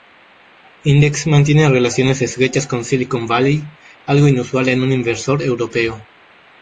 Index mantiene relaciones estrechas con la Silicon Valley, algo inusual en un inversor europeo.